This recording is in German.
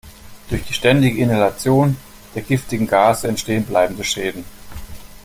Durch die ständige Inhalation der giftigen Gase entstehen bleibende Schäden.